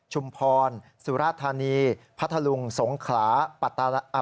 ชุมพรสุราธารณีพระทะลุงสงขลา